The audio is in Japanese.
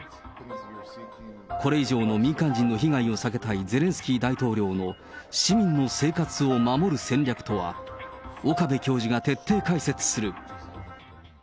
これ以上の民間人の被害を避けたいゼレンスキー大統領の、市民の生活を守る戦略とは、岡部教授が徹底解説する。